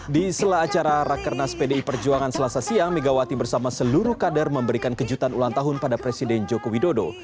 di sela acara rakernas pdi perjuangan selasa siang megawati bersama seluruh kader memberikan kejutan ulang tahun pada presiden joko widodo